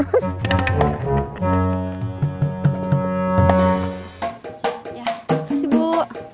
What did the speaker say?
terima kasih bu